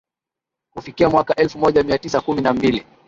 Kufikia mwaka elfu moja mia tisa kumi na mbili